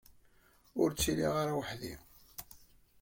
Ur ttiliɣ ara weḥd-i.